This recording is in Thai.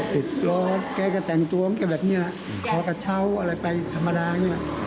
สิบล้อแกก็แต่งตัวแบบนี้คอลกะเช้าอะไรไปธรรมดายี้